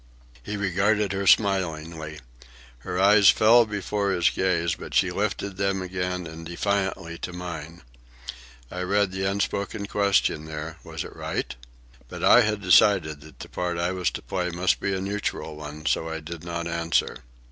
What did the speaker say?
He regarded her smilingly. Her eyes fell before his gaze, but she lifted them again, and defiantly, to mine. I read the unspoken question there: was it right? But I had decided that the part I was to play must be a neutral one, so I did not answer.